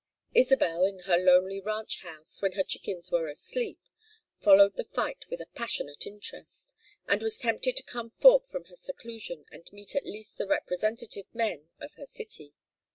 Isabel in her lonely ranch house, when her chickens were asleep, followed the fight with a passionate interest, and was tempted to come forth from her seclusion and meet at least the representative men of her city.